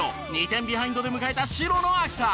２点ビハインドで迎えた白の秋田。